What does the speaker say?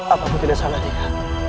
apapun tidak salahnya